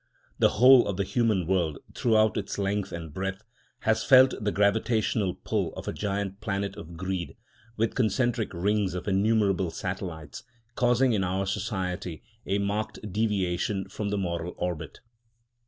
The whole of the human world, throughout its length and breadth, has felt the gravitational pull of a giant planet of greed, with concentric rings of innumerable satellites, causing in our society a marked deviation from the moral orbit.